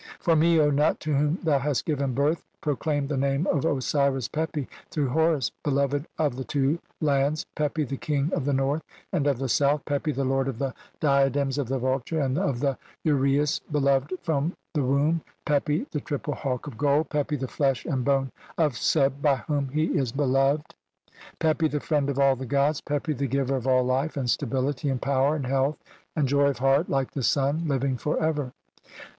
"For me, O Nut, to whom thou hast given birth " proclaim the name of Osiris Pepi, (65) through "Horus, beloved of the two lands, Pepi, the king of "the North and of the South, Pepi, the lord of the "diadems of the Vulture and of the Uraeus, beloved "[from] the womb, Pepi, the triple hawk of gold, Pepi "the flesh and bone of Seb by whom he is beloved, THE ELYSIAN FIELDS OR HEAVEN. CXXXVII "Pepi, the friend of all the gods, Pepi, the giver of "all life, and stability, and power, and health, and "joy of heart, like the Sun, living for ever.